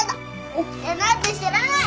おきてなんて知らない。